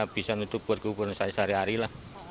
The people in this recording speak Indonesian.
bisa nutup buat kuburan saya sehari hari lah